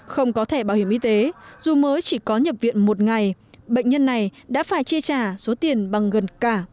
không có thẻ bảo hiểm y tế dù mới chỉ có nhập viện một ngày bệnh nhân này đã phải chi trả số tiền bằng gần cả